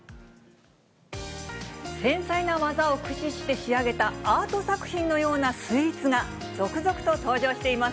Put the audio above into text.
繊細な技を駆使して仕上げた、アート作品のようなスイーツが、続々と登場しています。